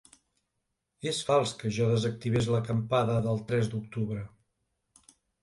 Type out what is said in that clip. És fals que jo desactivés l’acampada del tres d’octubre.